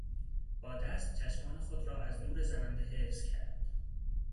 با دست چشمان خود را از نور زننده حفظ کرد.